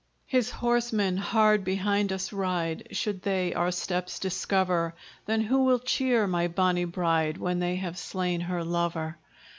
"His horsemen hard behind us ride; Should they our steps discover, Then who will cheer my bonny bride When they have slain her lover?"